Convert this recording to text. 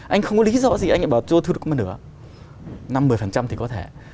anh không có lý do gì anh lại bảo tôi thu được một con số nữa năm mươi thì có thể